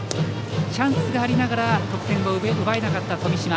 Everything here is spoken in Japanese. チャンスがありながら得点を奪えなかった富島。